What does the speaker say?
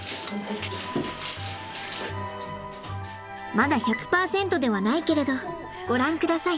まだ１００％ではないけれどご覧ください。